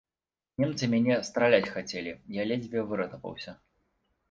Немцы мяне страляць хацелі, я ледзьве выратаваўся.